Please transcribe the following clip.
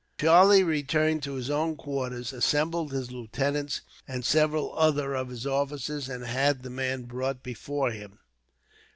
Charlie returned to his own quarters, assembled his lieutenants and several other of his officers, and had the man brought before him.